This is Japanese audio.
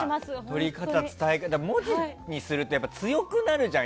文字にすると強くなるじゃん？